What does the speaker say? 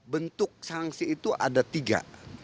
bentuk sanksi itu ada tiga